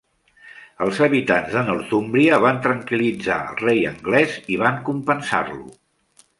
Els habitants de Northumbria van tranquil·litzar el rei anglès i van compensar-lo.